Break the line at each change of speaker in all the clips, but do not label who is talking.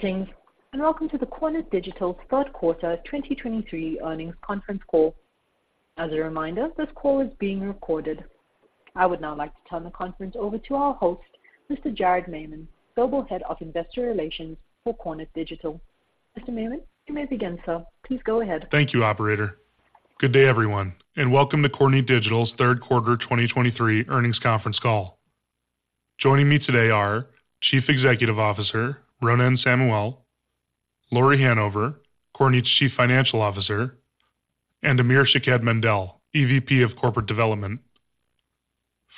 Greetings, and welcome to the Kornit Digital's third quarter 2023 earnings conference call. As a reminder, this call is being recorded. I would now like to turn the conference over to our host, Mr. Jared Maymon, Global Head of Investor Relations for Kornit Digital. Mr. Maymon, you may begin, sir. Please go ahead.
Thank you, operator. Good day, everyone, and welcome to Kornit Digital's third quarter 2023 earnings conference call. Joining me today are Chief Executive Officer, Ronen Samuel; Lauri Hanover, Kornit's Chief Financial Officer, and Amir Shaked-Mandel, EVP of Corporate Development.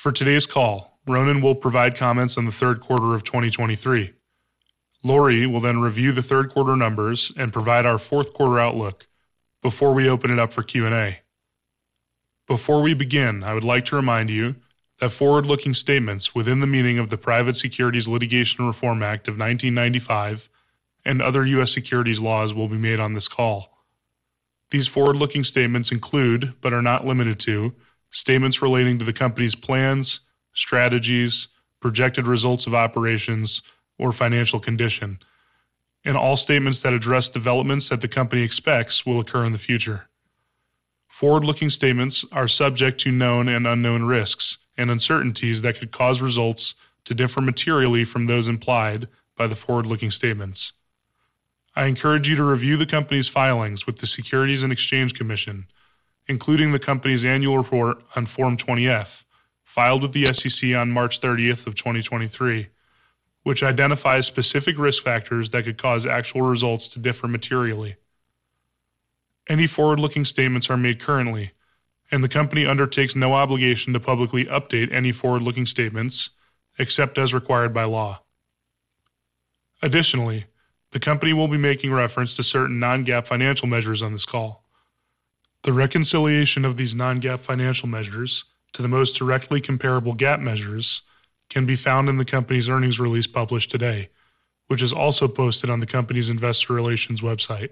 For today's call, Ronen will provide comments on the third quarter of 2023. Lauri will then review the third quarter numbers and provide our fourth quarter outlook before we open it up for Q&A. Before we begin, I would like to remind you that forward-looking statements within the meaning of the Private Securities Litigation Reform Act of 1995 and other U.S. securities laws will be made on this call. These forward-looking statements include, but are not limited to, statements relating to the company's plans, strategies, projected results of operations, or financial condition, and all statements that address developments that the company expects will occur in the future. Forward-looking statements are subject to known and unknown risks and uncertainties that could cause results to differ materially from those implied by the forward-looking statements. I encourage you to review the company's filings with the Securities and Exchange Commission, including the company's annual report on Form 20-F, filed with the SEC on March 30 of 2023, which identifies specific risk factors that could cause actual results to differ materially. Any forward-looking statements are made currently, and the company undertakes no obligation to publicly update any forward-looking statements, except as required by law. Additionally, the company will be making reference to certain non-GAAP financial measures on this call. The reconciliation of these non-GAAP financial measures to the most directly comparable GAAP measures can be found in the company's earnings release published today, which is also posted on the company's investor relations website.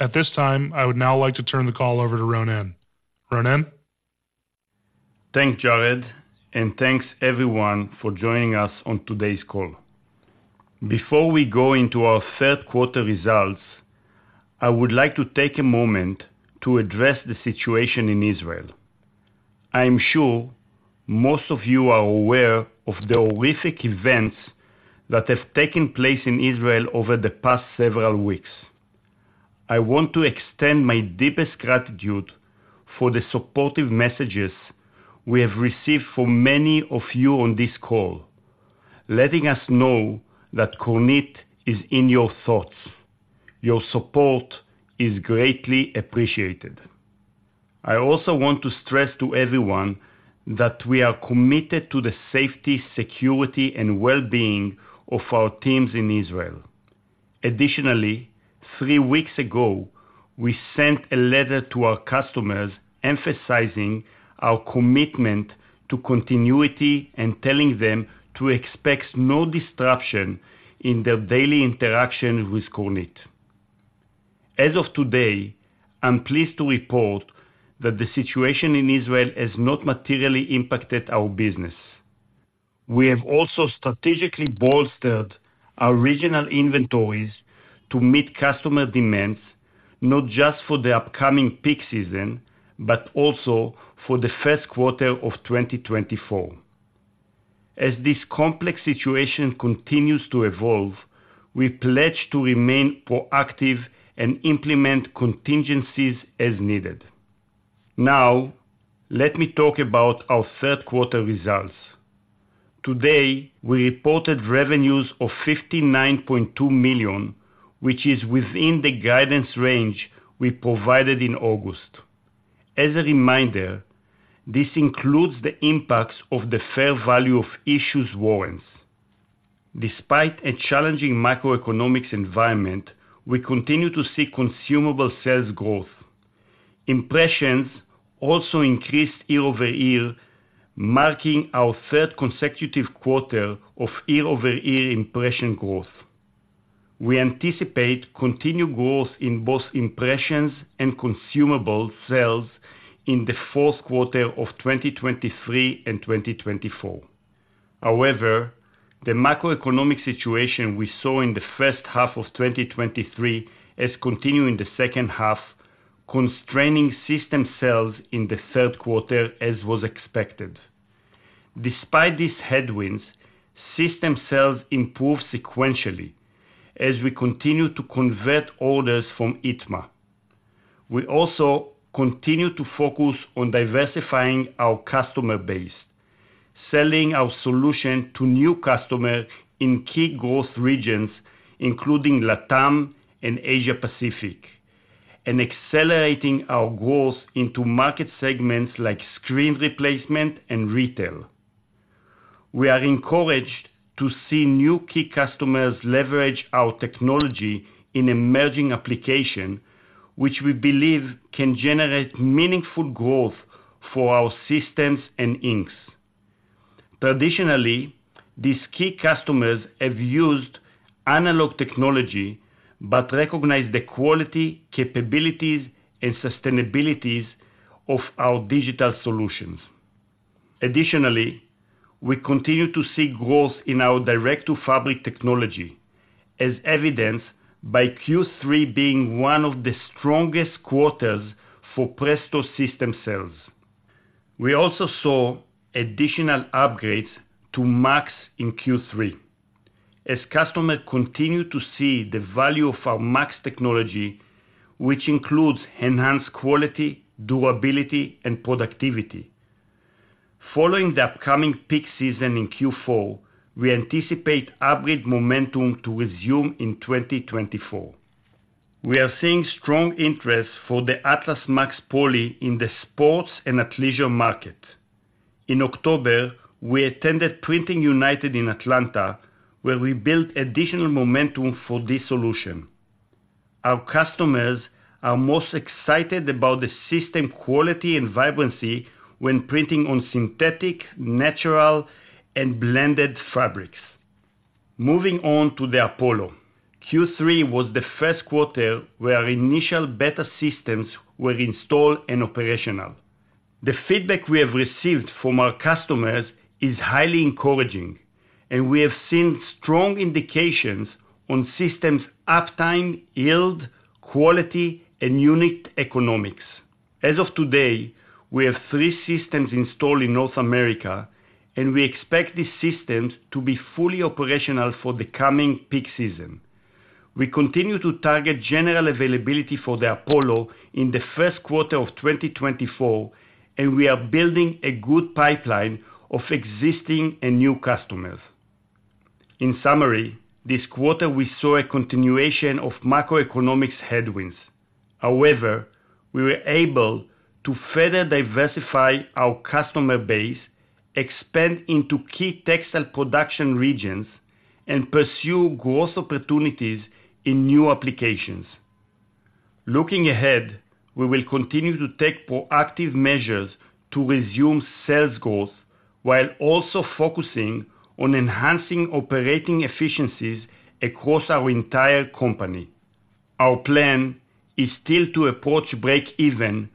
At this time, I would now like to turn the call over to Ronen. Ronen?
Thanks, Jared, and thanks everyone for joining us on today's call. Before we go into our third quarter results, I would like to take a moment to address the situation in Israel. I am sure most of you are aware of the horrific events that have taken place in Israel over the past several weeks. I want to extend my deepest gratitude for the supportive messages we have received from many of you on this call, letting us know that Kornit is in your thoughts. Your support is greatly appreciated. I also want to stress to everyone that we are committed to the safety, security, and wellbeing of our teams in Israel. Additionally, three weeks ago, we sent a letter to our customers emphasizing our commitment to continuity and telling them to expect no disruption in their daily interaction with Kornit. As of today, I'm pleased to report that the situation in Israel has not materially impacted our business. We have also strategically bolstered our regional inventories to meet customer demands, not just for the upcoming peak season, but also for the first quarter of 2024. As this complex situation continues to evolve, we pledge to remain proactive and implement contingencies as needed. Now, let me talk about our third quarter results. Today, we reported revenues of $59.2 million, which is within the guidance range we provided in August. As a reminder, this includes the impacts of the fair value of issued warrants. Despite a challenging macroeconomics environment, we continue to see consumable sales growth. Impressions also increased year-over-year, marking our third consecutive quarter of year-over-year Impressions growth. We anticipate continued growth in both impressions and consumable sales in the fourth quarter of 2023 and 2024. However, the macroeconomic situation we saw in the first half of 2023 has continued in the second half, constraining system sales in the third quarter, as was expected. Despite these headwinds, system sales improved sequentially as we continue to convert orders from ITMA. We also continue to focus on diversifying our customer base, selling our solution to new customers in key growth regions, including LATAM and Asia Pacific, and accelerating our growth into market segments like screen replacement and retail. We are encouraged to see new key customers leverage our technology in emerging application, which we believe can generate meaningful growth for our systems and inks. Traditionally, these key customers have used analog technology, but recognize the quality, capabilities, and sustainability of our digital solutions.... Additionally, we continue to see growth in our direct-to-fabric technology, as evidenced by Q3 being one of the strongest quarters for Presto system sales. We also saw additional upgrades to MAX in Q3, as customers continue to see the value of our MAX Technology, which includes enhanced quality, durability, and productivity. Following the upcoming peak season in Q4, we anticipate upgrade momentum to resume in 2024. We are seeing strong interest for the Atlas MAX Poly in the sports and athleisure market. In October, we attended PRINTING United in Atlanta, where we built additional momentum for this solution. Our customers are most excited about the system quality and vibrancy when printing on synthetic, natural, and blended fabrics. Moving on to the Apollo. Q3 was the first quarter where our initial beta systems were installed and operational. The feedback we have received from our customers is highly encouraging, and we have seen strong indications on systems uptime, yield, quality, and unit economics. As of today, we have three systems installed in North America, and we expect these systems to be fully operational for the coming peak season. We continue to target general availability for the Apollo in the first quarter of 2024, and we are building a good pipeline of existing and new customers. In summary, this quarter we saw a continuation of macroeconomic headwinds. However, we were able to further diversify our customer base, expand into key textile production regions, and pursue growth opportunities in new applications. Looking ahead, we will continue to take proactive measures to resume sales growth, while also focusing on enhancing operating efficiencies across our entire company. Our plan is still to approach break-even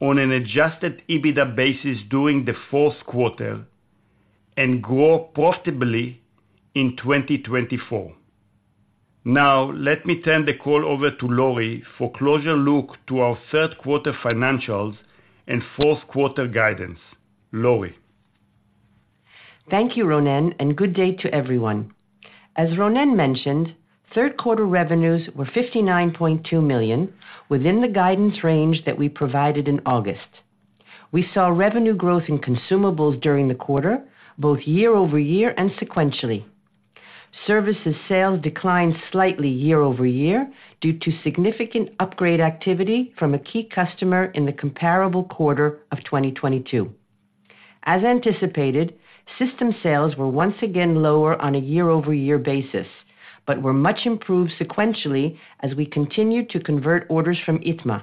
on an adjusted EBITDA basis during the fourth quarter and grow profitably in 2024. Now, let me turn the call over to Lauri for a closer look to our third quarter financials and fourth quarter guidance. Lauri?
Thank you, Ronen, and good day to everyone. As Ronen mentioned, third quarter revenues were $59.2 million, within the guidance range that we provided in August. We saw revenue growth in consumables during the quarter, both year-over-year and sequentially. Services sales declined slightly year-over-year due to significant upgrade activity from a key customer in the comparable quarter of 2022. As anticipated, system sales were once again lower on a year-over-year basis, but were much improved sequentially as we continued to convert orders from ITMA.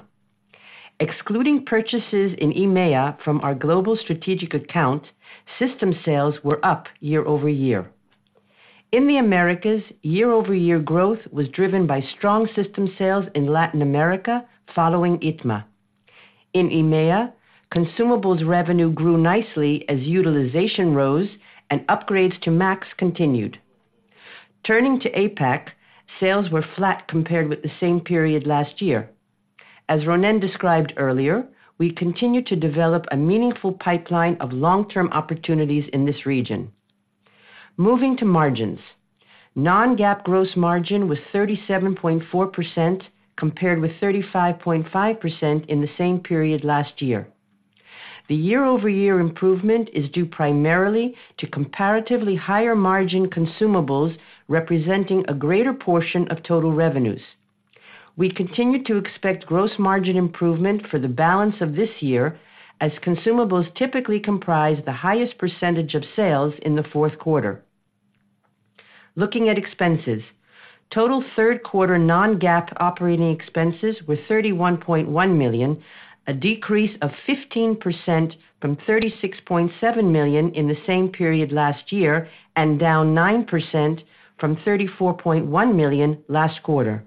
Excluding purchases in EMEA from our global strategic account, system sales were up year-over-year. In the Americas, year-over-year growth was driven by strong system sales in Latin America following ITMA. In EMEA, consumables revenue grew nicely as utilization rose and upgrades to MAX continued. Turning to APAC, sales were flat compared with the same period last year. As Ronen described earlier, we continued to develop a meaningful pipeline of long-term opportunities in this region. Moving to margins. Non-GAAP gross margin was 37.4%, compared with 35.5% in the same period last year. The year-over-year improvement is due primarily to comparatively higher margin consumables, representing a greater portion of total revenues. We continue to expect gross margin improvement for the balance of this year, as consumables typically comprise the highest percentage of sales in the fourth quarter. Looking at expenses, total third quarter non-GAAP operating expenses were $31.1 million, a decrease of 15% from $36.7 million in the same period last year, and down 9% from $34.1 million last quarter.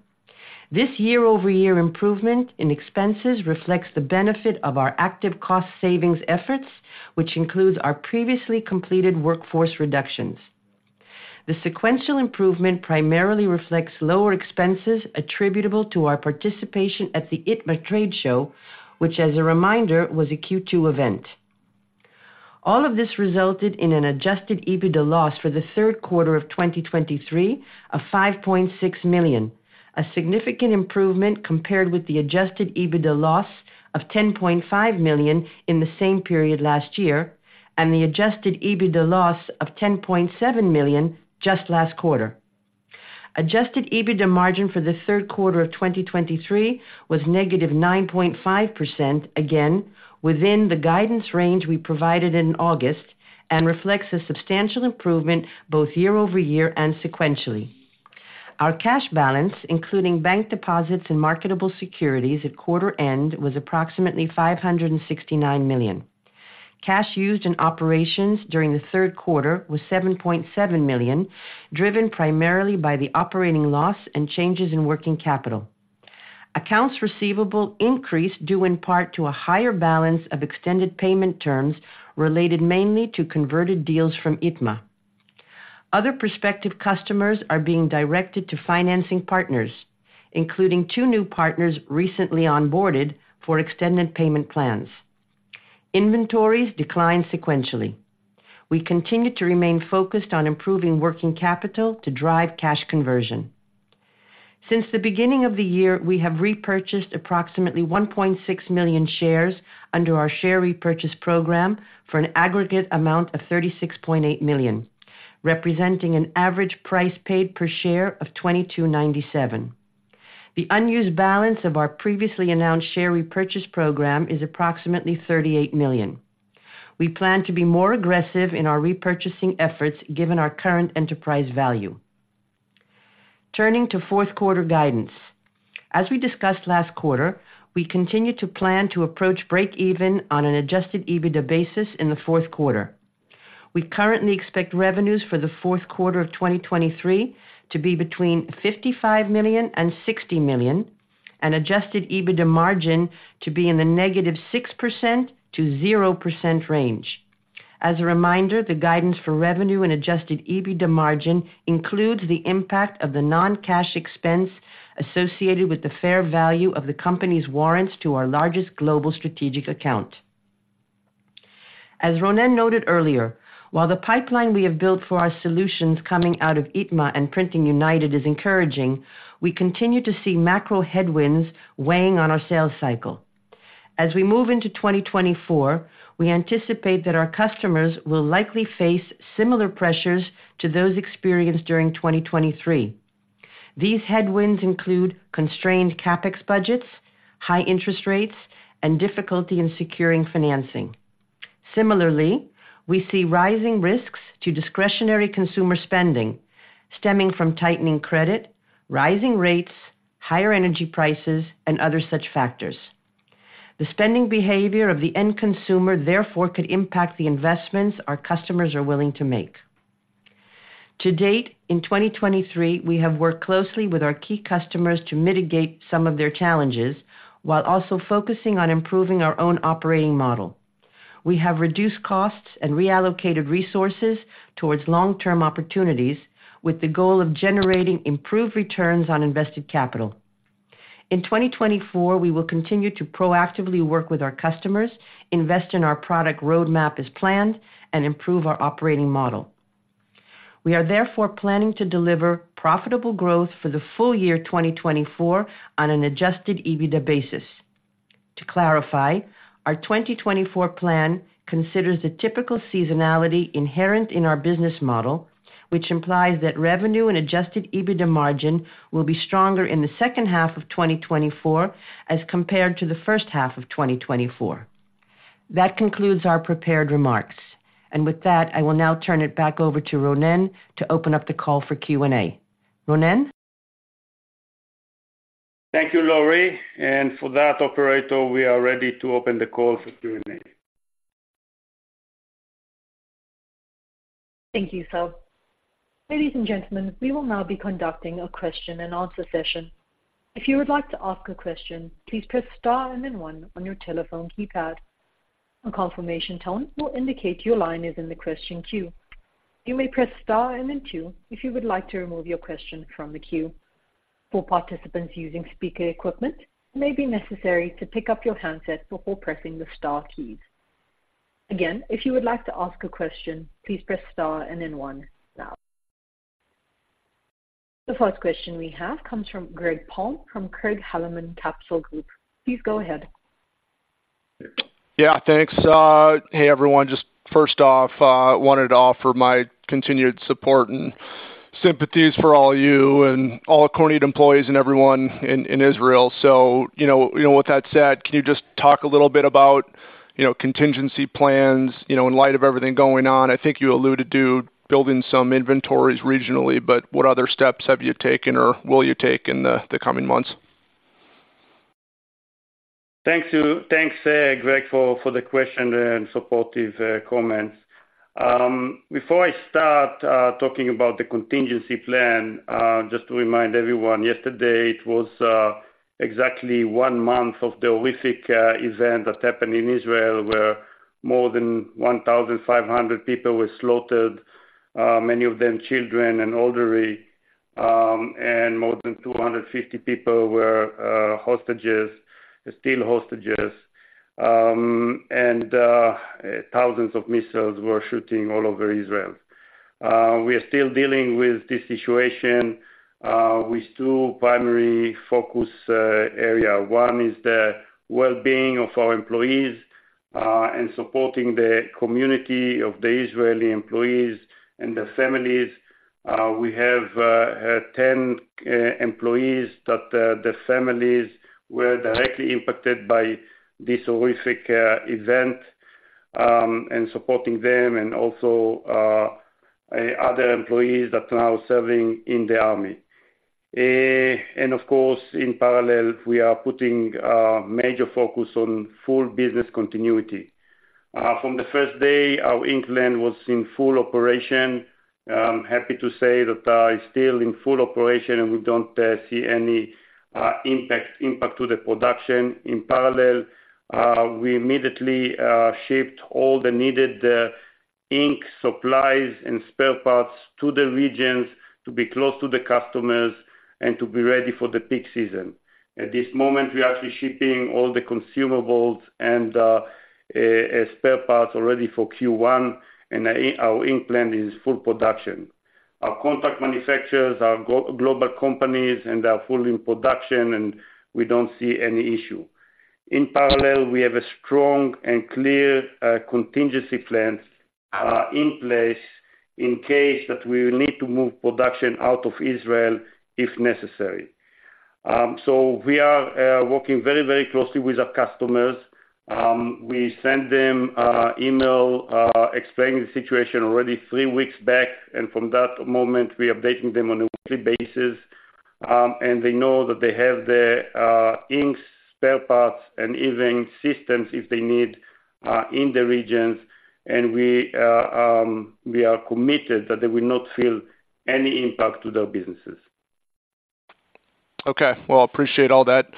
This year-over-year improvement in expenses reflects the benefit of our active cost savings efforts, which includes our previously completed workforce reductions. The sequential improvement primarily reflects lower expenses attributable to our participation at the ITMA trade show, which, as a reminder, was a Q2 event. All of this resulted in an adjusted EBITDA loss for the third quarter of 2023 of $5.6 million, a significant improvement compared with the adjusted EBITDA loss of $10.5 million in the same period last year, and the adjusted EBITDA loss of $10.7 million just last quarter. Adjusted EBITDA margin for the third quarter of 2023 was -9.5%, again, within the guidance range we provided in August and reflects a substantial improvement both year-over-year and sequentially. Our cash balance, including bank deposits and marketable securities at quarter end, was approximately $569 million. Cash used in operations during the third quarter was $7.7 million, driven primarily by the operating loss and changes in working capital. Accounts receivable increased, due in part to a higher balance of extended payment terms related mainly to converted deals from ITMA. Other prospective customers are being directed to financing partners, including two new partners recently onboarded for extended payment plans. Inventories declined sequentially. We continue to remain focused on improving working capital to drive cash conversion. Since the beginning of the year, we have repurchased approximately 1.6 million shares under our share repurchase program for an aggregate amount of $36.8 million, representing an average price paid per share of $22.97. The unused balance of our previously announced share repurchase program is approximately $38 million. We plan to be more aggressive in our repurchasing efforts, given our current enterprise value. Turning to fourth quarter guidance. As we discussed last quarter, we continue to plan to approach break even on an Adjusted EBITDA basis in the fourth quarter. We currently expect revenues for the fourth quarter of 2023 to be between $55 million and $60 million, and Adjusted EBITDA margin to be in the -6%-0% range. As a reminder, the guidance for revenue and Adjusted EBITDA margin includes the impact of the non-cash expense associated with the fair value of the company's warrants to our largest global strategic account. As Ronen noted earlier, while the pipeline we have built for our solutions coming out of ITMA and PRINTING United is encouraging, we continue to see macro headwinds weighing on our sales cycle. As we move into 2024, we anticipate that our customers will likely face similar pressures to those experienced during 2023. These headwinds include constrained CapEx budgets, high interest rates, and difficulty in securing financing. Similarly, we see rising risks to discretionary consumer spending stemming from tightening credit, rising rates, higher energy prices, and other such factors. The spending behavior of the end consumer, therefore, could impact the investments our customers are willing to make. To date, in 2023, we have worked closely with our key customers to mitigate some of their challenges, while also focusing on improving our own operating model. We have reduced costs and reallocated resources towards long-term opportunities, with the goal of generating improved returns on invested capital. In 2024, we will continue to proactively work with our customers, invest in our product roadmap as planned, and improve our operating model. We are therefore planning to deliver profitable growth for the full year 2024 on an adjusted EBITDA basis. To clarify, our 2024 plan considers the typical seasonality inherent in our business model, which implies that revenue and Adjusted EBITDA margin will be stronger in the second half of 2024 as compared to the first half of 2024. That concludes our prepared remarks. With that, I will now turn it back over to Ronen to open up the call for Q&A. Ronen?
Thank you, Lauri, and for that, operator, we are ready to open the call for Q&A.
Thank you, sir. Ladies and gentlemen, we will now be conducting a question-and-answer session. If you would like to ask a question, please press star and then one on your telephone keypad. A confirmation tone will indicate your line is in the question queue. You may press star and then two if you would like to remove your question from the queue. For participants using speaker equipment, it may be necessary to pick up your handset before pressing the star keys. Again, if you would like to ask a question, please press star and then one now. The first question we have comes from Greg Palm from Craig-Hallum Capital Group. Please go ahead.
Yeah, thanks. Hey, everyone. Just first off, wanted to offer my continued support and sympathies for all of you and all Kornit employees and everyone in Israel. So, you know, with that said, can you just talk a little bit about, you know, contingency plans, you know, in light of everything going on? I think you alluded to building some inventories regionally, but what other steps have you taken or will you take in the coming months?
Thanks, Greg, for the question and supportive comments. Before I start talking about the contingency plan, just to remind everyone, yesterday it was exactly one month of the horrific event that happened in Israel, where more than 1,500 people were slaughtered, many of them children and elderly, and more than 250 people were hostages, still hostages, and thousands of missiles were shooting all over Israel. We are still dealing with this situation with two primary focus area. One is the well-being of our employees and supporting the community of the Israeli employees and their families. We have 10 employees that their families were directly impacted by this horrific event, and supporting them and also other employees that are now serving in the army. And of course, in parallel, we are putting a major focus on full business continuity. From the first day, our ink plant was in full operation. Happy to say that it's still in full operation, and we don't see any impact to the production. In parallel, we immediately shipped all the needed ink supplies and spare parts to the regions to be close to the customers and to be ready for the peak season. At this moment, we are actually shipping all the consumables and spare parts already for Q1, and our ink plant is full production. Our contract manufacturers are global companies, and they are fully in production, and we don't see any issue. In parallel, we have a strong and clear contingency plans in place in case that we will need to move production out of Israel, if necessary. So we are working very, very closely with our customers. We sent them a email explaining the situation already three weeks back, and from that moment, we are updating them on a weekly basis. And they know that they have the inks, spare parts, and even systems if they need in the regions, and we are committed that they will not feel any impact to their businesses.
Okay. Well, I appreciate all that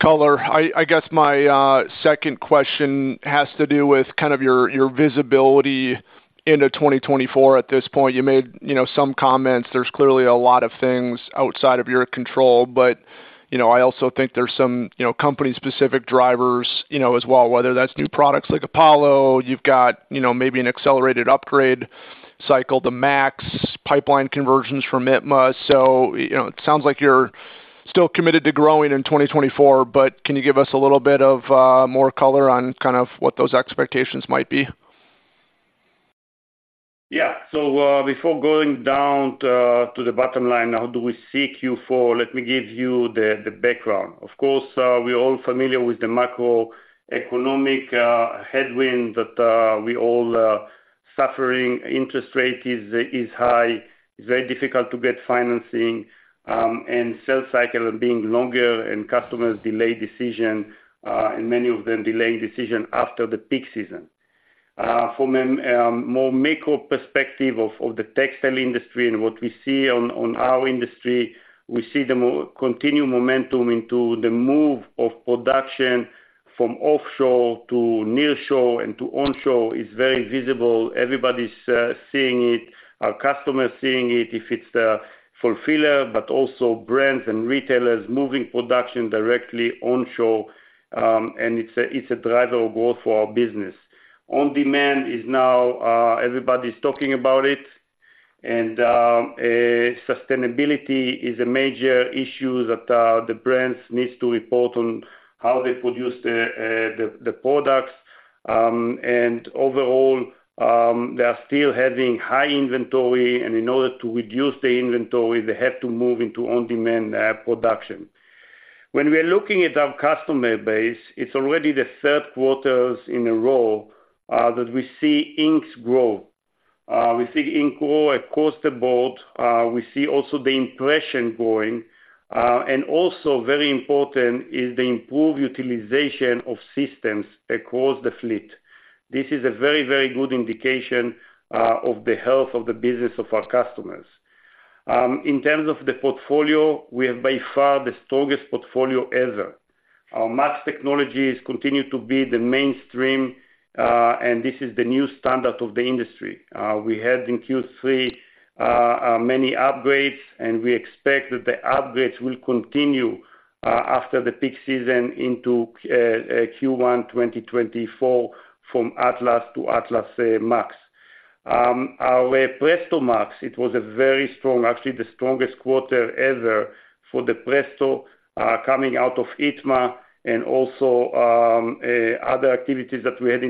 color. I guess my second question has to do with kind of your visibility into 2024 at this point. You made, you know, some comments. There's clearly a lot of things outside of your control, but, you know, I also think there's some, you know, company-specific drivers, you know, as well, whether that's new products like Apollo. You've got, you know, maybe an accelerated upgrade cycle, the MAX pipeline conversions from ITMA. So, you know, it sounds like you're still committed to growing in 2024, but can you give us a little bit of more color on kind of what those expectations might be?
Yeah. So, before going down to the bottom line, how do we see Q4? Let me give you the background. Of course, we're all familiar with the macroeconomic headwind that we all are suffering. Interest rate is high, it's very difficult to get financing, and sales cycle being longer and customers delay decision, and many of them delaying decision after the peak season. From a more micro perspective of the textile industry and what we see on our industry, we see the continued momentum into the move of production from offshore to nearshore and to onshore. It's very visible. Everybody's seeing it, our customers seeing it, if it's the fulfiller, but also brands and retailers moving production directly onshore, and it's a driver of growth for our business. On-demand is now, everybody's talking about it, and sustainability is a major issue that the brands needs to report on how they produce the products. Overall, they are still having high inventory, and in order to reduce the inventory, they have to move into on-demand production. When we are looking at our customer base, it's already the third quarters in a row that we see inks grow. We see ink grow across the board, we see also the impression growing, and also very important is the improved utilization of systems across the fleet. This is a very, very good indication of the health of the business of our customers. In terms of the portfolio, we have by far the strongest portfolio ever. Our MAX Technologies continue to be the mainstream, and this is the new standard of the industry. We had in Q3 many upgrades, and we expect that the upgrades will continue after the peak season into Q1 2024, from Atlas to Atlas MAX. Our Presto MAX, it was a very strong, actually the strongest quarter ever for the Presto, coming out of ITMA and also other activities that we had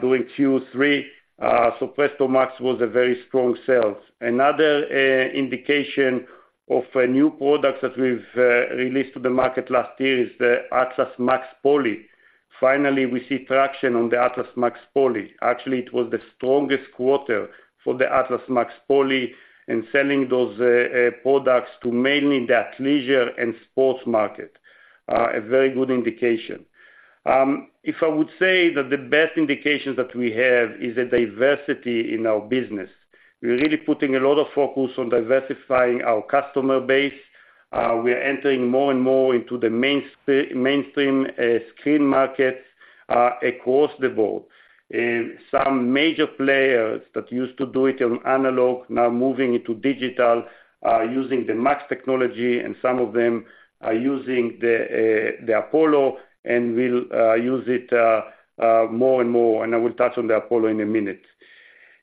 during Q3. So Presto MAX was a very strong sales. Another indication of a new product that we've released to the market last year is the Atlas MAX Poly. Finally, we see traction on the Atlas MAX Poly. Actually, it was the strongest quarter for the Atlas MAX Poly, and selling those products to mainly the leisure and sports market. A very good indication. If I would say that the best indications that we have is a diversity in our business. We're really putting a lot of focus on diversifying our customer base. We are entering more and more into the mainstream screen market across the board. Some major players that used to do it on analog, now moving into digital, using the MAX Technology, and some of them are using the Apollo, and will use it more and more, and I will touch on the Apollo in a minute.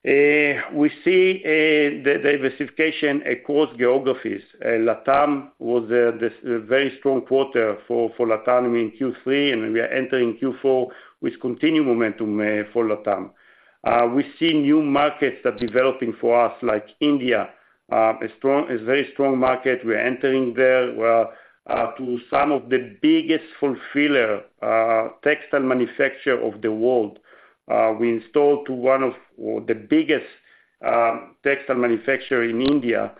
We see the diversification across geographies. LATAM was a very strong quarter for LATAM in Q3, and we are entering Q4 with continued momentum for LATAM. We see new markets that developing for us, like India, a very strong market. We're entering there to some of the biggest fulfiller textile manufacturer of the world. We installed to one of the biggest textile manufacturer in India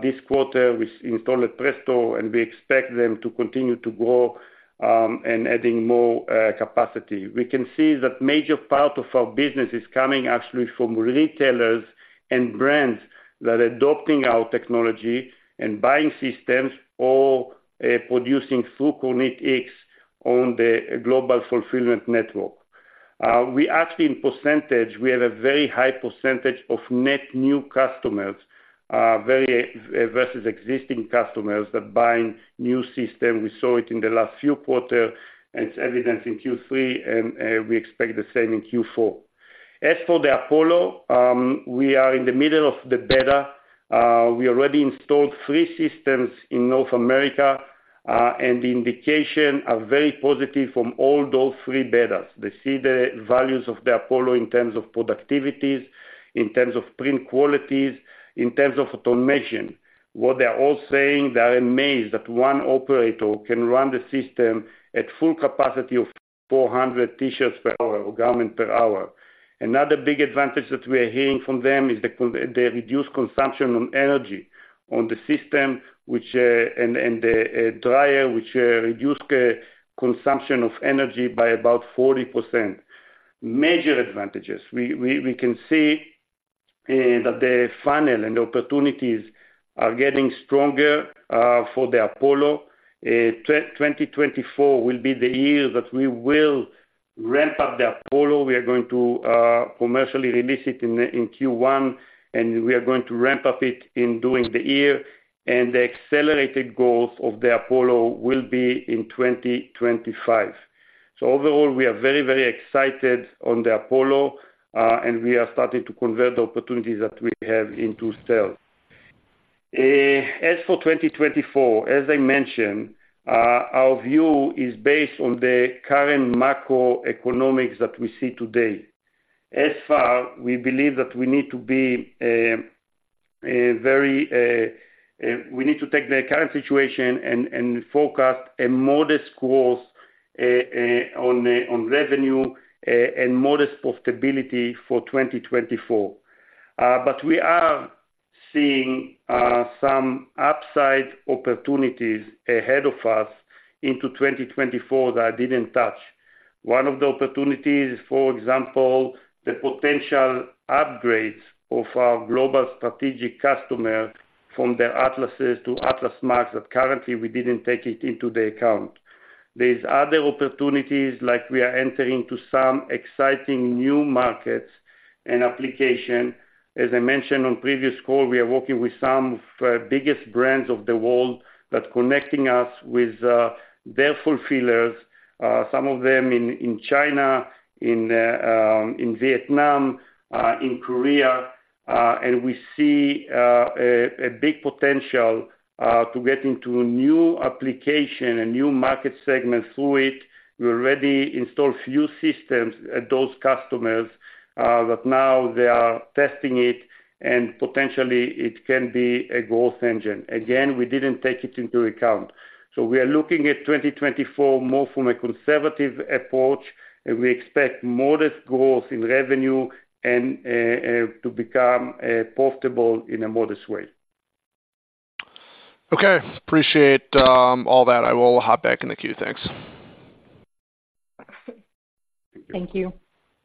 this quarter. We installed a Presto, and we expect them to continue to grow and adding more capacity. We can see that major part of our business is coming actually from retailers and brands that are adopting our technology and buying systems or producing through KornitX on the global fulfillment network. We actually, in percentage, we have a very high percentage of net new customers versus existing customers that buying new system. We saw it in the last few quarter, and it's evident in Q3, and we expect the same in Q4. As for the Apollo, we are in the middle of the beta. We already installed three systems in North America, and the indication are very positive from all those three betas. They see the values of the Apollo in terms of productivities, in terms of print qualities, in terms of automation. What they are all saying, they are amazed that one operator can run the system at full capacity of 400 T-shirts per hour or garment per hour. Another big advantage that we are hearing from them is the reduced consumption on energy on the system, which, and the dryer, which reduces consumption of energy by about 40%. Major advantages. We can see that the funnel and the opportunities are getting stronger for the Apollo. 2024 will be the year that we will ramp up the Apollo. We are going to commercially release it in Q1, and we are going to ramp up it during the year, and the accelerated growth of the Apollo will be in 2025. So overall, we are very, very excited on the Apollo, and we are starting to convert the opportunities that we have into sales. As for 2024, as I mentioned, our view is based on the current macroeconomics that we see today. As far, we believe that we need to be very. We need to take the current situation and forecast a modest growth on revenue and modest profitability for 2024. But we are seeing some upside opportunities ahead of us into 2024 that I didn't touch. One of the opportunities, for example, the potential upgrades of our global strategic customer from their Atlases to Atlas MAX that currently we didn't take it into the account. There's other opportunities, like we are entering to some exciting new markets and application. As I mentioned on previous call, we are working with some of biggest brands of the world that connecting us with their fulfillers, some of them in China, in Vietnam, in Korea, and we see a big potential to get into new application and new market segments through it. We already installed few systems at those customers that now they are testing it, and potentially it can be a growth engine. Again, we didn't take it into account. So we are looking at 2024 more from a conservative approach, and we expect modest growth in revenue and to become profitable in a modest way.
Okay, appreciate, all that. I will hop back in the queue. Thanks.
Thank you.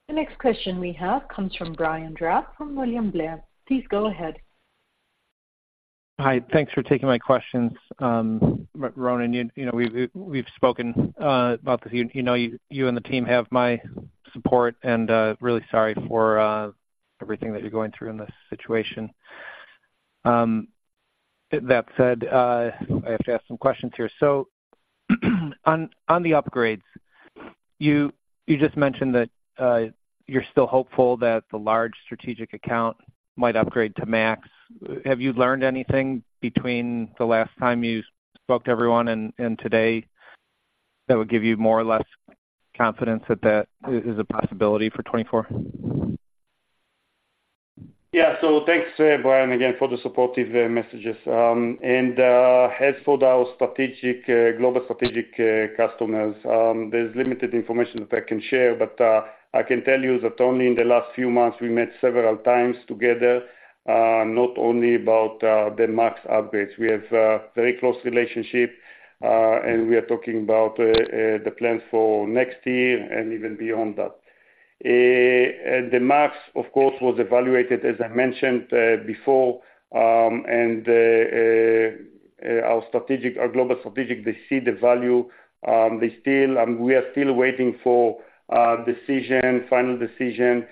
The next question we have comes from Brian Drab from William Blair. Please go ahead.
Hi. Thanks for taking my questions. Ronen, you know, we've spoken about this. You know, you and the team have my support, and really sorry for everything that you're going through in this situation. That said, I have to ask some questions here. So on the upgrades, you just mentioned that you're still hopeful that the large strategic account might upgrade to MAX. Have you learned anything between the last time you spoke to everyone and today that would give you more or less confidence that that is a possibility for 2024?
Yeah. So thanks, Brian, again, for the supportive messages. And as for our strategic global strategic customers, there's limited information that I can share, but I can tell you that only in the last few months, we met several times together, not only about the MAX upgrades. We have a very close relationship, and we are talking about the plans for next year and even beyond that. And the MAX, of course, was evaluated, as I mentioned before, and our strategic, our global strategic, they see the value. They still, we are still waiting for decision, final decision,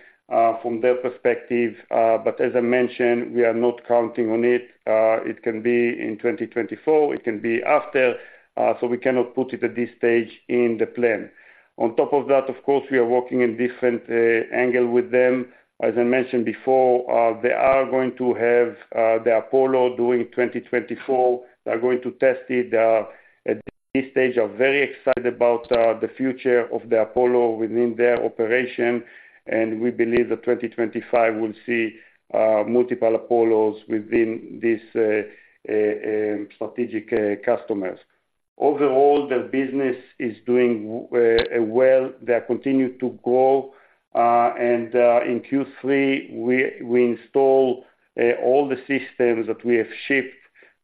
from their perspective, but as I mentioned, we are not counting on it. It can be in 2024, it can be after, so we cannot put it at this stage in the plan. On top of that, of course, we are working in different angle with them. As I mentioned before, they are going to have the Apollo during 2024. They're going to test it. At this stage, are very excited about the future of the Apollo within their operation, and we believe that 2025 will see multiple Apollos within these strategic customers. Overall, their business is doing well. They are continuing to grow and in Q3, we install all the systems that we have shipped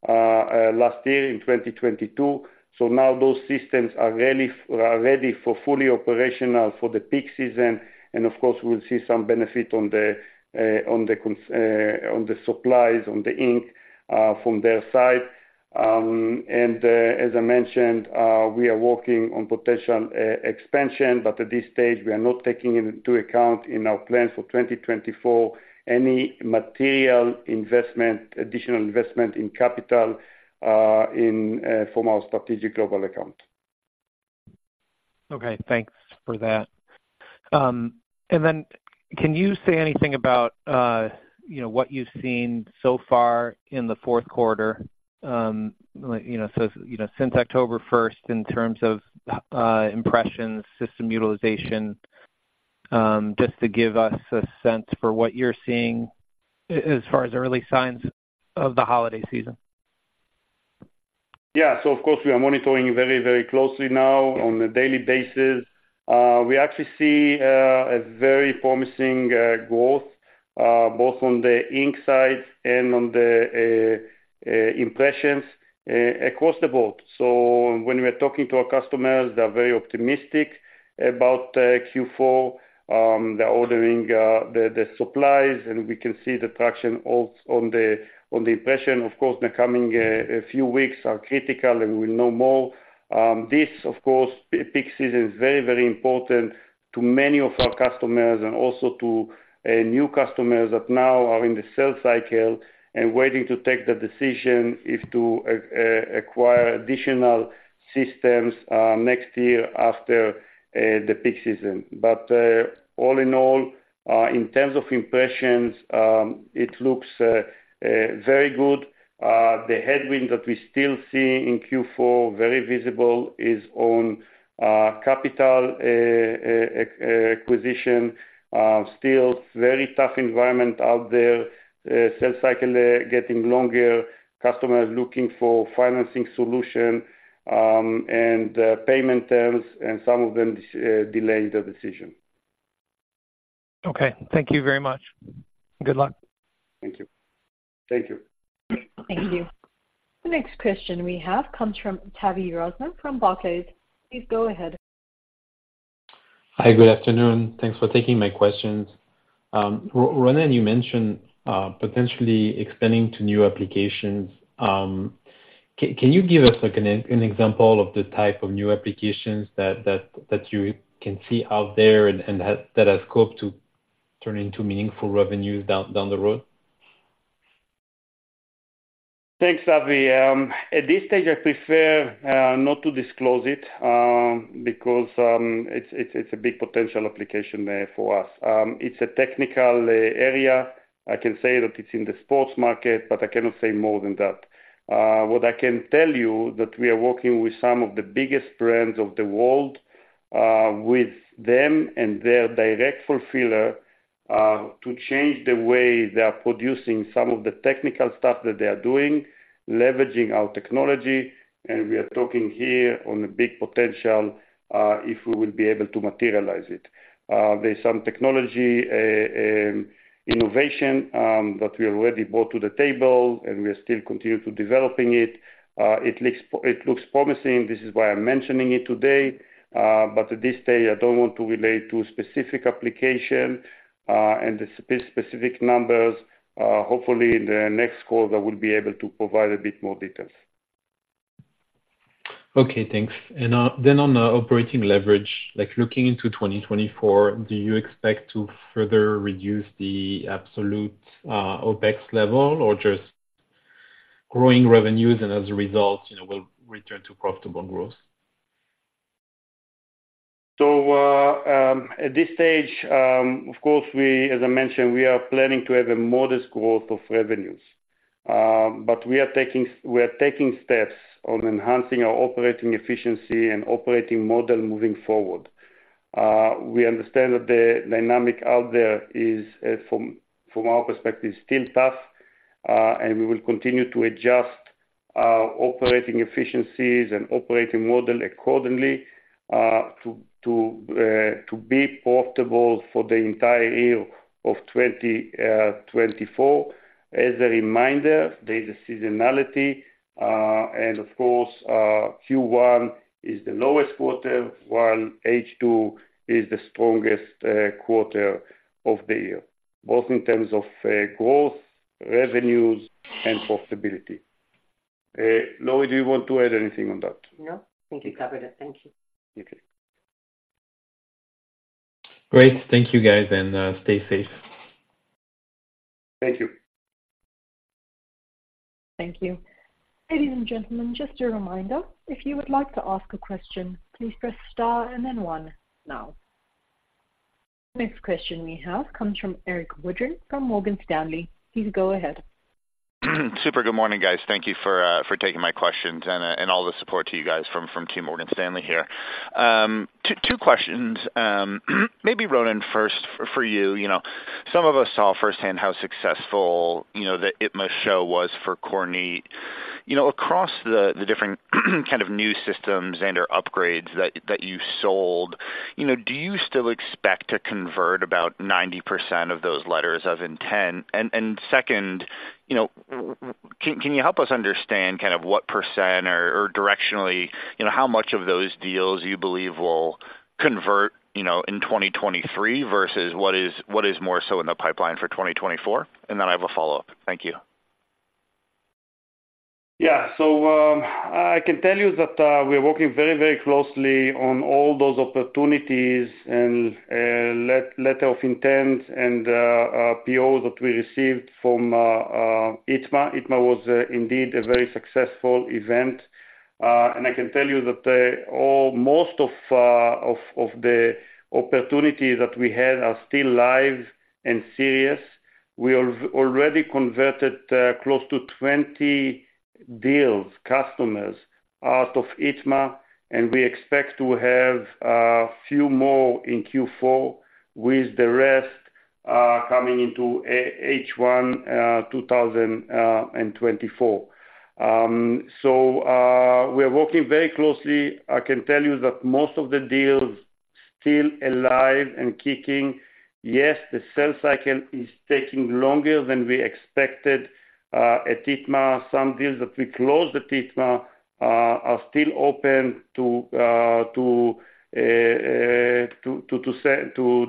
last year in 2022. So now those systems are really ready, fully operational for the peak season, and of course, we'll see some benefit on the supplies, on the ink, from their side. And as I mentioned, we are working on potential expansion, but at this stage, we are not taking into account in our plans for 2024 any material investment, additional investment in capital, from our strategic global account.
Okay, thanks for that. And then can you say anything about, you know, what you've seen so far in the fourth quarter? You know, so, you know, since October first, in terms of impressions, system utilization, just to give us a sense for what you're seeing as far as early signs of the holiday season.
Yeah. So of course, we are monitoring very, very closely now on a daily basis. We actually see a very promising growth both on the ink side and on the impressions across the board. So when we're talking to our customers, they're very optimistic about Q4. They're ordering the supplies, and we can see the traction on the impression. Of course, the coming few weeks are critical, and we will know more. This, of course, peak season is very, very important to many of our customers and also to new customers that now are in the sales cycle and waiting to take the decision if to acquire additional systems next year after the peak season. But all in all, in terms of impressions, it looks very good. The headwind that we still see in Q4, very visible, is on capital acquisition. Still very tough environment out there, sales cycle getting longer, customers looking for financing solution, and payment terms, and some of them delaying their decision.
Okay. Thank you very much. Good luck.
Thank you. Thank you.
Thank you. The next question we have comes from Tavy Rosner from Barclays. Please go ahead.
Hi, good afternoon. Thanks for taking my questions. Ronen, you mentioned potentially expanding to new applications. Can you give us, like, an example of the type of new applications that you can see out there and that have scope to turn into meaningful revenues down the road?
Thanks, Tavy. At this stage, I prefer not to disclose it because it's a big potential application for us. It's a technical area. I can say that it's in the sports market, but I cannot say more than that. What I can tell you, that we are working with some of the biggest brands of the world, with them and their direct fulfiller, to change the way they are producing some of the technical stuff that they are doing, leveraging our technology, and we are talking here on a big potential if we will be able to materialize it. There's some technology innovation that we already brought to the table, and we are still continuing to developing it. It looks promising. This is why I'm mentioning it today, but at this stage, I don't want to relate to specific application, and the specific numbers. Hopefully, in the next call, I will be able to provide a bit more details.
Okay, thanks. Then on the operating leverage, like, looking into 2024, do you expect to further reduce the absolute OpEx level or just growing revenues, and as a result, you know, we'll return to profitable growth?
So, at this stage, of course, we as I mentioned, we are planning to have a modest growth of revenues. But we are taking, we are taking steps on enhancing our operating efficiency and operating model moving forward. We understand that the dynamic out there is, from our perspective, still tough, and we will continue to adjust operating efficiencies and operating model accordingly, to be profitable for the entire year of 2024. As a reminder, there's a seasonality, and of course, Q1 is the lowest quarter, while H2 is the strongest quarter of the year, both in terms of growth, revenues, and profitability. Lauri, do you want to add anything on that?
No. I think you covered it. Thank you.
Okay.
Great. Thank you, guys, and stay safe.
Thank you.
Thank you. Ladies and gentlemen, just a reminder, if you would like to ask a question, please press star and then one now. Next question we have comes from Erik Woodring from Morgan Stanley. Please go ahead.
Super good morning, guys. Thank you for taking my questions and all the support to you guys from Team Morgan Stanley here. Two questions. Maybe Ronen, first for you. You know, some of us saw firsthand how successful, you know, the ITMA show was for Kornit. You know, across the different kind of new systems and/or upgrades that you sold, you know, do you still expect to convert about 90% of those letters of intent? And second, you know, can you help us understand kind of what percent or directionally, you know, how much of those deals you believe will convert, you know, in 2023 versus what is more so in the pipeline for 2024? And then I have a follow-up. Thank you.
Yeah. So, I can tell you that, we're working very, very closely on all those opportunities and, letter of intent and, POs that we received from, ITMA. ITMA was, indeed a very successful event. And I can tell you that, most of the opportunities that we had are still live and serious. We are already converted, close to 20 deals, customers out of ITMA, and we expect to have, few more in Q4, with the rest, coming into H1, two thousand and twenty-four. So, we're working very closely. I can tell you that most of the deals still alive and kicking. Yes, the sales cycle is taking longer than we expected, at ITMA. Some deals that we closed at ITMA are still open to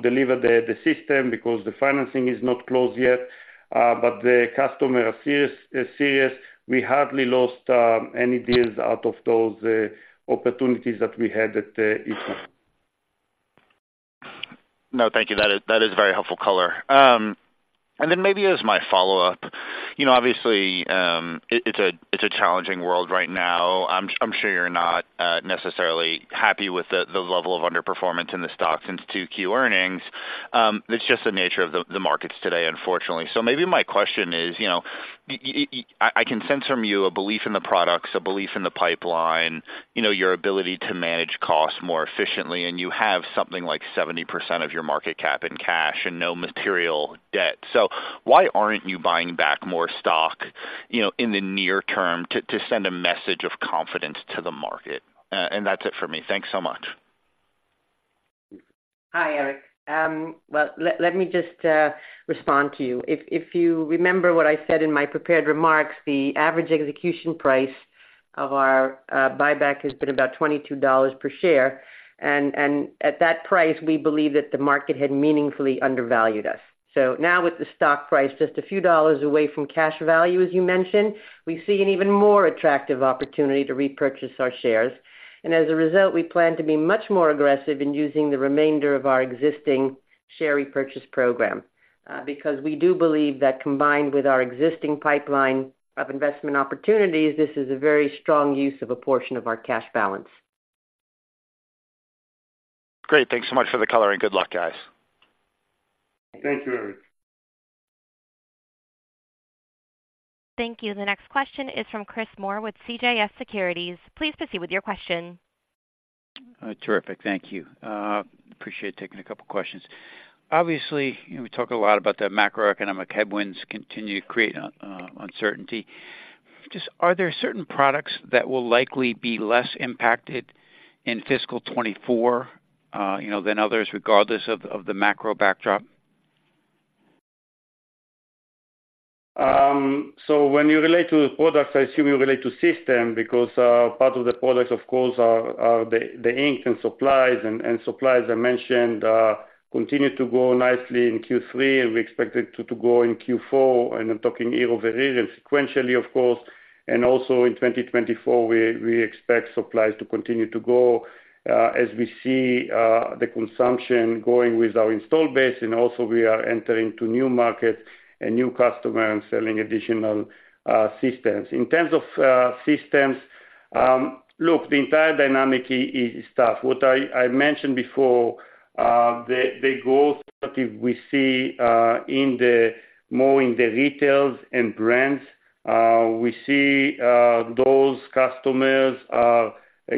deliver the system because the financing is not closed yet. But the customer are serious, serious. We hardly lost any deals out of those opportunities that we had at ITMA.
No, thank you. That is, that is very helpful color. And then maybe as my follow-up, you know, obviously, it, it's a, it's a challenging world right now. I'm, I'm sure you're not necessarily happy with the, the level of underperformance in the stock since 2Q earnings. It's just the nature of the, the markets today, unfortunately. So maybe my question is, you know, I can sense from you a belief in the products, a belief in the pipeline, you know, your ability to manage costs more efficiently, and you have something like 70% of your market cap in cash and no material debt. So why aren't you buying back more stock, you know, in the near term to, to send a message of confidence to the market? And that's it for me. Thanks so much.
Hi, Eric. Well, let me just respond to you. If you remember what I said in my prepared remarks, the average execution price of our buyback has been about $22 per share, and at that price, we believe that the market had meaningfully undervalued us. So now with the stock price just a few dollars away from cash value, as you mentioned, we see an even more attractive opportunity to repurchase our shares, and as a result, we plan to be much more aggressive in using the remainder of our existing share repurchase program, because we do believe that combined with our existing pipeline of investment opportunities, this is a very strong use of a portion of our cash balance.
Great. Thanks so much for the color, and good luck, guys.
Thank you, Eric.
Thank you. The next question is from Chris Moore with CJS Securities. Please proceed with your question.
Terrific. Thank you. Appreciate taking a couple questions. Obviously, you know, we talk a lot about the macroeconomic headwinds continue to create uncertainty. Just, are there certain products that will likely be less impacted in fiscal 2024, you know, than others, regardless of the macro backdrop?
So when you relate to products, I assume you relate to system, because part of the products of course are the ink and supplies, and supplies I mentioned continue to grow nicely in Q3, and we expect it to grow in Q4, and I'm talking year-over-year and sequentially, of course, and also in 2024, we expect supplies to continue to grow, as we see the consumption going with our install base, and also we are entering to new markets and new customers and selling additional systems. In terms of systems, look, the entire dynamic is tough. What I mentioned before, the growth that we see in the more in the retail and brands, we see those customers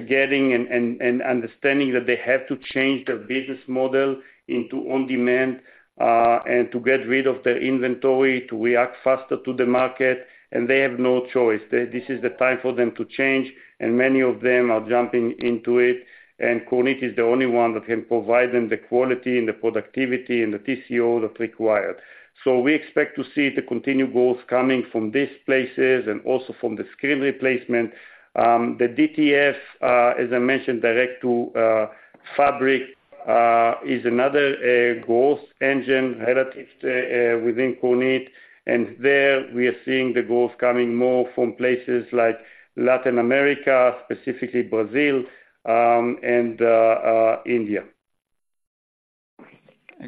getting and understanding that they have to change their business model into on-demand and to get rid of their inventory, to react faster to the market, and they have no choice. This is the time for them to change, and many of them are jumping into it, and Kornit is the only one that can provide them the quality and the productivity and the TCO that's required. So we expect to see the continued growth coming from these places and also from the screen replacement. The DTF, as I mentioned, direct to fabric, is another growth engine relative within Kornit, and there we are seeing the growth coming more from places like Latin America, specifically Brazil, and India.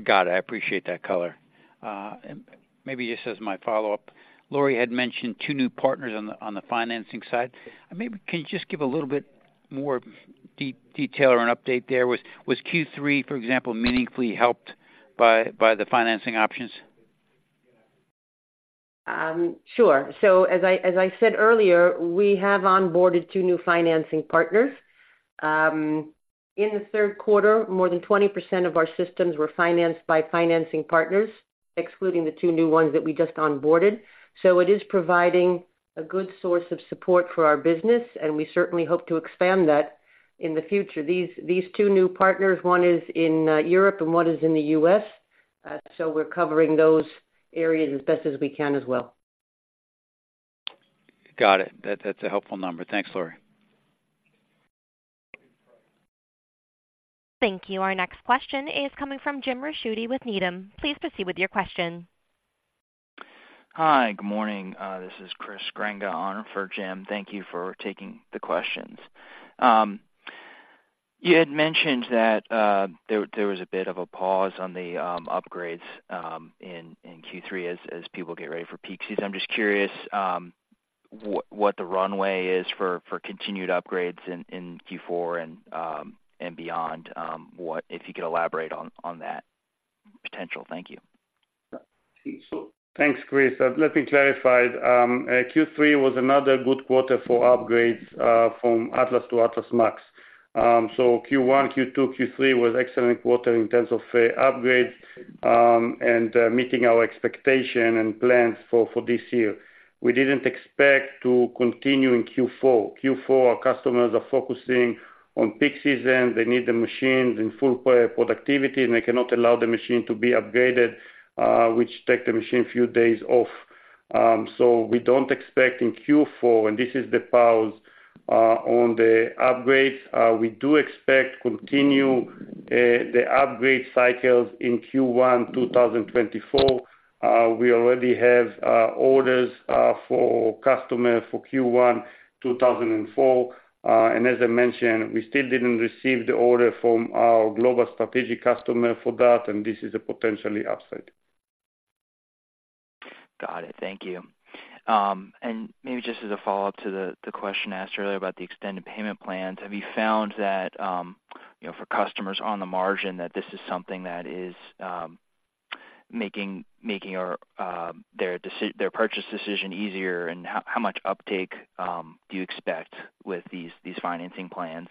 Got it. I appreciate that color. And maybe just as my follow-up, Lauri had mentioned two new partners on the financing side. Maybe can you just give a little bit more detail or an update there? Was Q3, for example, meaningfully helped by the financing options?...
Sure. So as I, as I said earlier, we have onboarded two new financing partners. In the third quarter, more than 20% of our systems were financed by financing partners, excluding the two new ones that we just onboarded. So it is providing a good source of support for our business, and we certainly hope to expand that in the future. These, these two new partners, one is in Europe and one is in the US, so we're covering those areas as best as we can as well.
Got it. That's a helpful number. Thanks, Lauri.
Thank you. Our next question is coming fro m Jim Ricchiutiwith Needham. Please proceed with your question.
Hi, good morning. This is Chris Grenga on for Jim. Thank you for taking the questions. You had mentioned that there was a bit of a pause on the upgrades in Q3 as people get ready for peak season. I'm just curious what the runway is for continued upgrades in Q4 and beyond, what if you could elaborate on that potential. Thank you.
Thanks, Chris. Let me clarify. Q3 was another good quarter for upgrades, from Atlas to Atlas MAX. So Q1, Q2, Q3 was excellent quarter in terms of, upgrades, and, meeting our expectation and plans for, for this year. We didn't expect to continue in Q4. Q4, our customers are focusing on peak season. They need the machines in full pro-productivity, and they cannot allow the machine to be upgraded, which take the machine a few days off. So we don't expect in Q4, and this is the pause, on the upgrades. We do expect continue, the upgrade cycles in Q1, 2024. We already have, orders, for customer for Q1, 2024. As I mentioned, we still didn't receive the order from our global strategic customer for that, and this is a potential upside.
Got it. Thank you. Maybe just as a follow-up to the question asked earlier about the extended payment plans, have you found that, you know, for customers on the margin, that this is something that is making their purchase decision easier, and how much uptake do you expect with these financing plans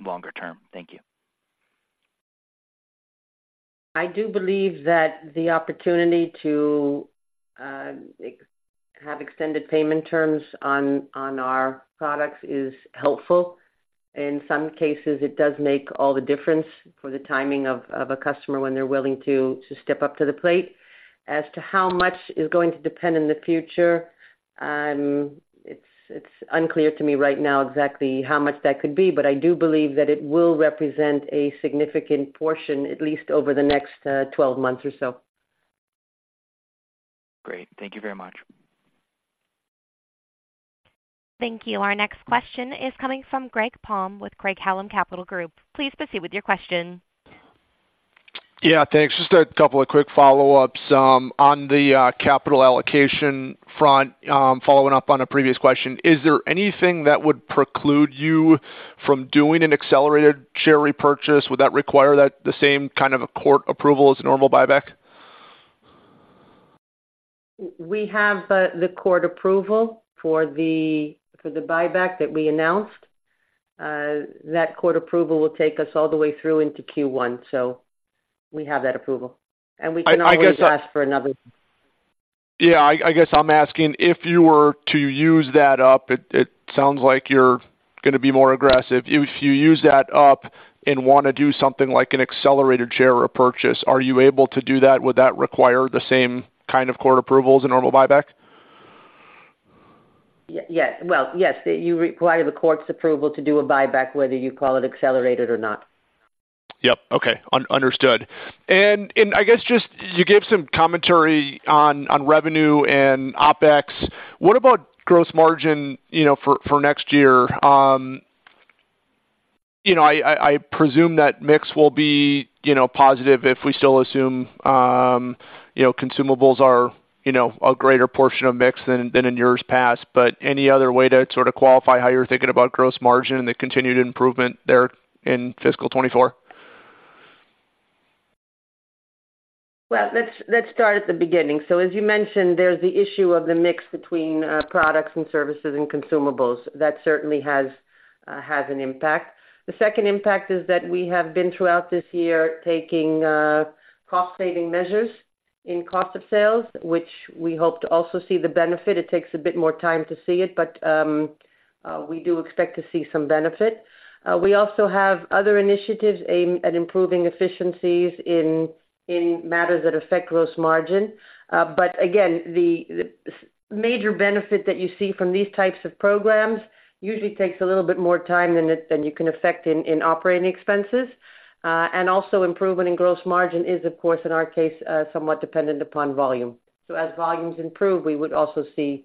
longer term? Thank you.
I do believe that the opportunity to have extended payment terms on our products is helpful. In some cases, it does make all the difference for the timing of a customer when they're willing to step up to the plate. As to how much is going to depend in the future, it's unclear to me right now exactly how much that could be, but I do believe that it will represent a significant portion, at least over the next 12 months or so.
Great. Thank you very much.
Thank you. Our next question is coming from Greg Palm with Craig-Hallum Capital Group. Please proceed with your question.
Yeah, thanks. Just a couple of quick follow-ups. On the capital allocation front, following up on a previous question, is there anything that would preclude you from doing an accelerated share repurchase? Would that require that the same kind of a court approval as a normal buyback?
We have the court approval for the buyback that we announced. That court approval will take us all the way through into Q1, so we have that approval, and we can always ask for another.
Yeah, I guess I'm asking, if you were to use that up, it sounds like you're gonna be more aggressive. If you use that up and want to do something like an accelerated share or purchase, are you able to do that? Would that require the same kind of court approval as a normal buyback?
Yes. Well, yes, you require the court's approval to do a buyback, whether you call it accelerated or not.
Yep. Okay. Understood. And I guess just, you gave some commentary on revenue and OpEx. What about gross margin, you know, for next year? You know, I presume that mix will be, you know, positive if we still assume, you know, consumables are, you know, a greater portion of mix than in years past. But any other way to sort of qualify how you're thinking about gross margin and the continued improvement there in fiscal 2024?
Well, let's start at the beginning. As you mentioned, there's the issue of the mix between products and services and consumables. That certainly has an impact. The second impact is that we have been, throughout this year, taking cost-saving measures in cost of sales, which we hope to also see the benefit. It takes a bit more time to see it, but we do expect to see some benefit. We also have other initiatives aimed at improving efficiencies in matters that affect gross margin. Again, the major benefit that you see from these types of programs usually takes a little bit more time than it than you can affect in operating expenses. Also improvement in gross margin is, of course, in our case, somewhat dependent upon volume. So as volumes improve, we would also see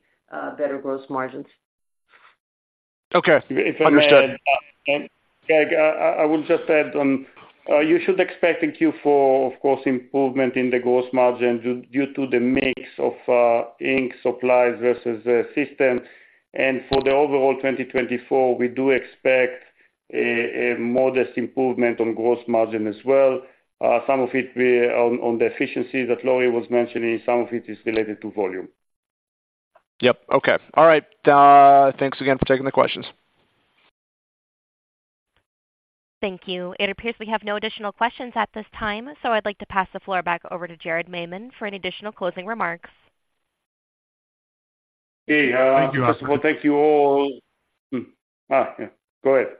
better gross margins.
Okay. Understood.
If I may add, Greg, I would just add on, you should expect in Q4, of course, improvement in the gross margin due to the mix of ink supplies versus systems. And for the overall 2024, we do expect a modest improvement on gross margin as well. Some of it be on the efficiency that Lauri was mentioning, some of it is related to volume.
Yep. Okay. All right. Thanks again for taking the questions.
Thank you. It appears we have no additional questions at this time, so I'd like to pass the floor back over to Jared Maymon for any additional closing remarks.
Okay, uh-
Thank you, operator.
Thank you all. Yeah, go ahead,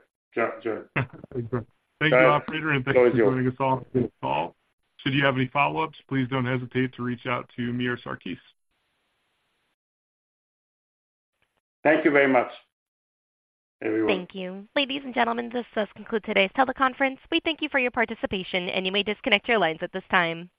Jared.
Thank you, operator, and thank you for joining us on this call. Should you have any follow-ups, please don't hesitate to reach out to me or Sarkis.
Thank you very much, everyone.
Thank you. Ladies and gentlemen, this does conclude today's teleconference. We thank you for your participation, and you may disconnect your lines at this time.